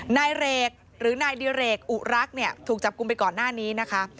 นายเรกหรือนายดิเรกอุรักษ์เนี่ยถูกจับกลุ่มไปก่อนหน้านี้นะคะ